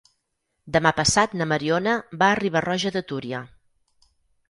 Demà passat na Mariona va a Riba-roja de Túria.